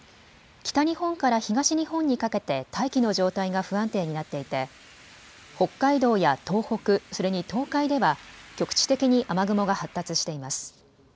北日本から東日本にかけて大気の状態が不安定になっていて北海道や東北、それに東海では局地的に雨雲が発達しています。